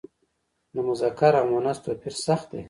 د مذکر او مونث توپیر سخت دی.